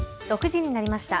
６時になりました。